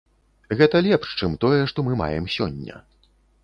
Гэта лепш, чым тое, што мы маем сёння.